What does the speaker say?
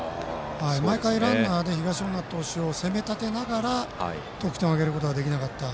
毎回ランナーで東恩納投手を攻め立てながら得点を挙げることができなかった。